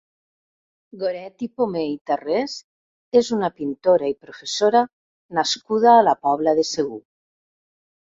Goretti Pomé i Tarrés és una pintora i professora nascuda a la Pobla de Segur.